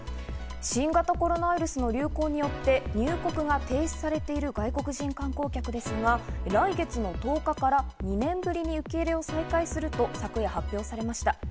新型コロナウイルスの流行によって入国が停止されている外国人観光客ですが、来月の１０日から２年ぶりに受け入れを再開すると昨夜発表されました。